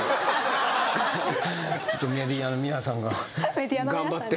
ちょっとメディアの皆さんが頑張って。